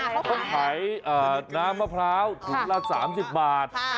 เขาขายน้ำมะพร้าวถุงละ๓๐บาท